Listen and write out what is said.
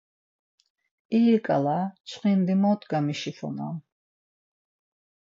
İri şǩala çxindi mo gamişifonam!